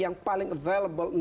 dan kita bisa melakukan